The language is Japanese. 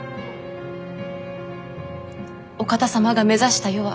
お方様が目指した世は